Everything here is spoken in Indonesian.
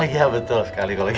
iya betul sekali kalau gitu